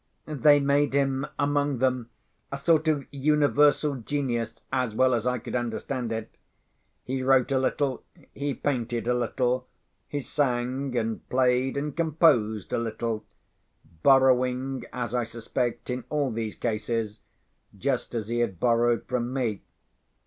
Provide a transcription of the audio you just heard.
They made him among them a sort of universal genius, as well as I could understand it. He wrote a little; he painted a little; he sang and played and composed a little—borrowing, as I suspect, in all these cases, just as he had borrowed from me.